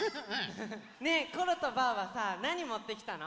ねえコロとバウはさなにもってきたの？